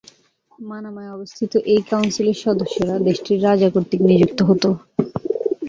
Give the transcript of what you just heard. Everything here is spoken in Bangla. মানামায় অবস্থিত এই কাউন্সিলের সদস্যরা দেশটির রাজা কর্তৃক নিযুক্ত হত।